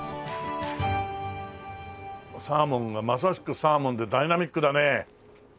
サーモンがまさしくサーモンでダイナミックだね。